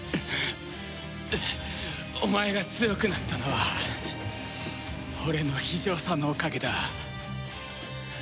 お前が強くなったのは俺の非情さのおかげだ。